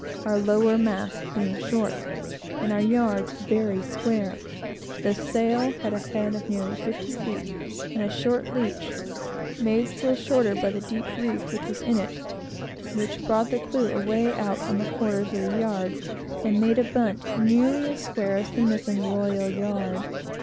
Our lower masts being short, and our yards very square, the sail had a head of nearly fifty feet, and a short leach, made still shorter by the deep reef which was in it, which brought the clew away out on the quarters of the yard, and made a bunt nearly as square as the mizen royal yard.